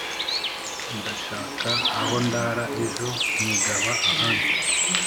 Ngashaka aho ndaraEjo nkigaba ahandi,